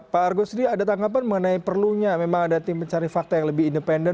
pak argo sendiri ada tanggapan mengenai perlunya memang ada tim pencari fakta yang lebih independen